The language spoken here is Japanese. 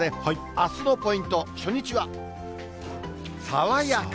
あすのポイント、初日は爽やか。